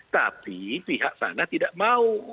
tapi pihak sana tidak mau